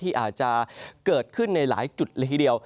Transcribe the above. อาจจะเกิดขึ้นในหลายจุดละทีเดียว